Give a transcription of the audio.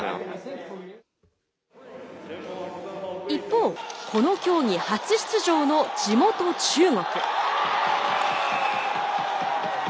一方この競技初出場の地元、中国。